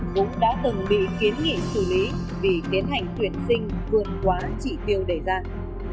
cũng đã từng bị kiến nghỉ xử lý vì tiến hành tuyển sinh vượt quá chỉ tiêu đề dạng